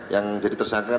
yang jadi tersangka kan